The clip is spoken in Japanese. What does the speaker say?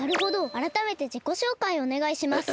あらためてじこしょうかいをおねがいします。